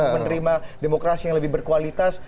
menerima demokrasi yang lebih berkualitas